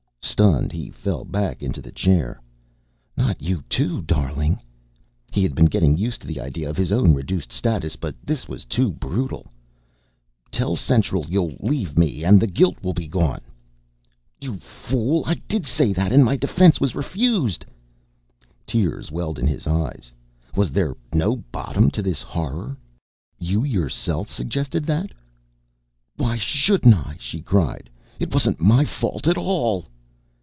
Stunned, he fell back into a chair. "Not you, too, darling!" He had been getting used to the idea of his own reduced status but this was too brutal. "Tell Central you'll leave me and the guilt will be gone." "You fool, I did say that and my defense was refused!" Tears welled in his eyes. Was there no bottom to this horror? "You yourself suggested that?" "Why shouldn't I?" she cried. "It wasn't my fault at all."